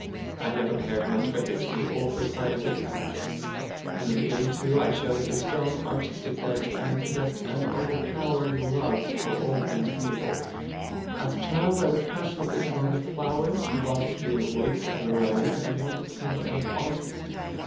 I never cared much for history or for scientific subjects. From the beginning, too, I showed a strong artistic bent, and possessed an overpowering love for all things beautiful. As a child I was passionately fond of flowers, loved to be in the woods and alone, and wanted to become an artist.